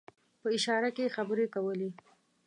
په اشاره کې خبرې کولې.